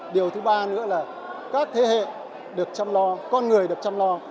điều thứ ba nữa là các thế hệ được chăm lo con người được chăm lo